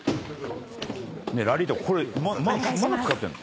ラリータこれまだ使ってんの？